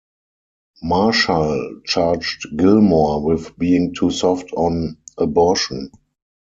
Marshall charged Gilmore with being too soft on abortion.